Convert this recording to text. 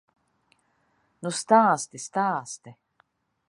Nu stāsti, stāsti!